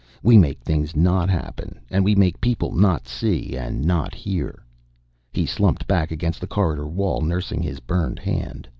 We make things not happen an' we make people not see an' not hear...." He slumped back against the corridor wall, nursing his burned hand.